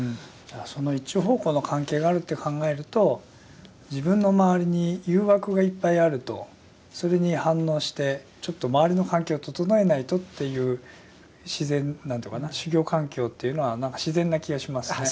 その一方向の関係があるって考えると自分の周りに誘惑がいっぱいあるとそれに反応してちょっと周りの環境を整えないとっていう自然なんていうのかな修行環境というのは自然な気がしますね。